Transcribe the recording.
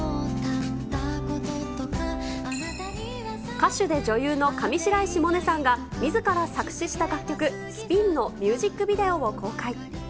歌手で女優の上白石萌音さんが、みずから作詞した楽曲、スピンのミュージックビデオを公開。